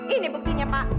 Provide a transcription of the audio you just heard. ini buktinya pak